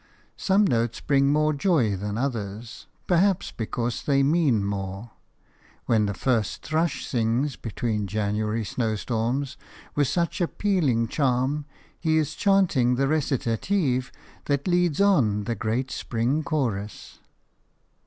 Some notes bring more joy than others, perhaps because they mean more. When the first thrush sings between January snowstorms with such appealing charm, he is chanting the recitative that leads on the great spring chorus.